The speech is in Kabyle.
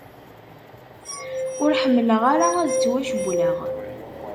Ur ḥemmleɣ ara ad ttwacewwleɣ.